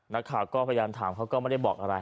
นักข่าวก็พยายามถามเขาก็ไม่ได้บอกอะไร